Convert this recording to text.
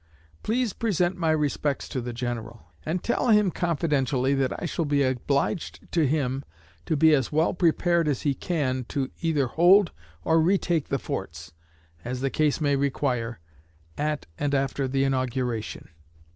Please present my respects to the General, and tell him confidentially that I shall be obliged to him to be as well prepared as he can to either hold or retake the forts, as the case may require, at and after the inauguration.